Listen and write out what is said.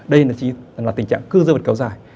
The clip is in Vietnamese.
đây là tình trạng cư dương vật kéo dài